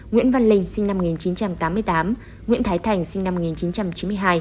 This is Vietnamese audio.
nguyễn văn linh sinh năm một nghìn chín trăm tám mươi tám nguyễn thái thành sinh năm một nghìn chín trăm chín mươi hai